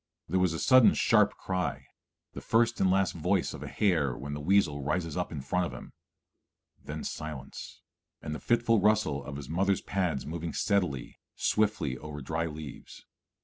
There was a sudden sharp cry, the first and last voice of a hare when the weasel rises up in front of him; then silence, and the fitful rustle of his mother's pads moving steadily, swiftly over dry leaves.